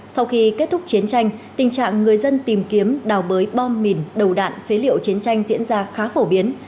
sau khi kết thúc chiến tranh tình trạng người dân tìm kiếm đào bới bom mìn đầu đạn phế liệu chiến tranh diễn ra khá phổ biến